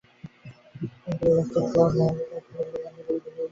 সরু ধমনিতে রক্তের ক্লট ধমনিপথকে পুরোপুরি বন্ধ করে দিলেই ঘটে হার্ট অ্যাটাক।